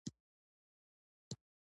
تر دې وروسته مو ګپ شپ او ټوکو ته مخه کړه.